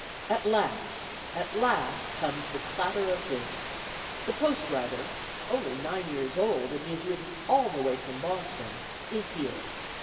At last! at last comes the clatter of hoofs. The post rider (only nine years old, and he has ridden all the way from Boston!) is here.